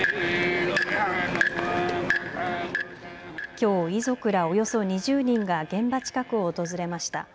きょう遺族らおよそ２０人が現場近くを訪れました。